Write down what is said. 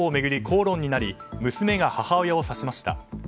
口論になり娘が母親を刺しました。